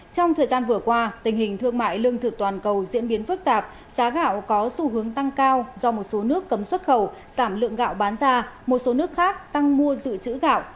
trong thời gian vừa qua tình hình thương mại lương thực toàn cầu diễn biến phức tạp giá gạo có xu hướng tăng cao do một số nước cấm xuất khẩu giảm lượng gạo bán ra một số nước khác tăng mua dự trữ gạo